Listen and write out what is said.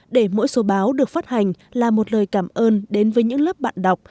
để mỗi số báo được phát hành là một lời cảm ơn đến với những lớp bạn đọc